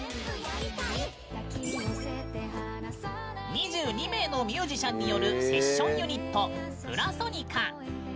２２名のミュージシャンによるセッションユニット「ぷらそにか」。